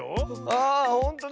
ああっほんとだ！